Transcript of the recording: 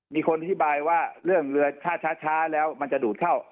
มีคนอธิบายว่าเรื่องเรือถ้าช้าแล้วมันจะดูดเข้า